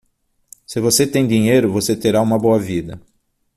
Se você tem dinheiro, você terá uma boa vida.